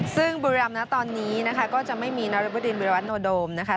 ซึ่งบุรีรามณะตอนนี้นะคะก็จะไม่มีนทรัพย์ดินวัทย์โดดมนะคะ